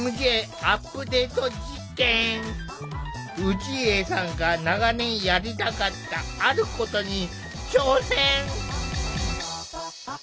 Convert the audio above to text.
氏家さんが長年やりたかった「あること」に挑戦！